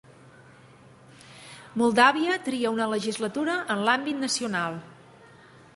Moldàvia tria una legislatura en l'àmbit nacional.